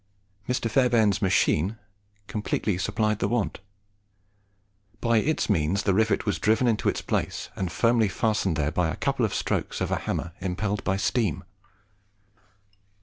Mr. Fairbairn's machine completely supplied the want. By its means the rivet was driven into its place, and firmly fastened there by a couple of strokes of a hammer impelled by steam.